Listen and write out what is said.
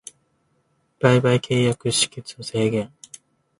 売買契約締結の制限